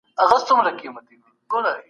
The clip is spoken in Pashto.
او نه باز وي زموږ په غوښو پړسېدلی